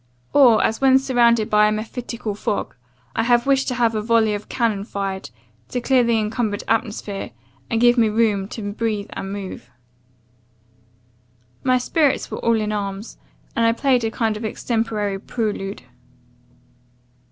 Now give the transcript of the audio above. Or, as when surrounded by a mephitical fog, I have wished to have a volley of cannon fired, to clear the incumbered atmosphere, and give me room to breathe and move. "My spirits were all in arms, and I played a kind of extemporary prelude.